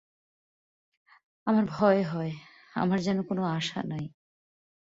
আমার ভয় হয়, আমার যেন কোন আশা নাই।